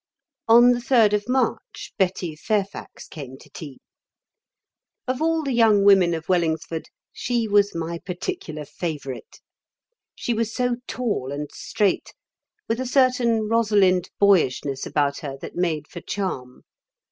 On the 3d of March Betty Fairfax came to tea. Of all the young women of Wellingsford she was my particular favourite. She was so tall and straight, with a certain Rosalind boyishness about her that made for charm.